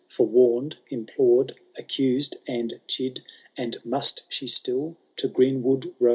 Forewarned, implored, accused, and chid. And must she still to greenwood roam.